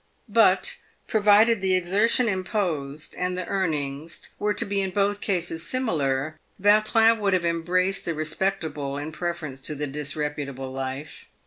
But, provided the exertion imposed and the earnings were to be in both cases similar, Vautrin would have embraced the respectable in preference to the disreputable life.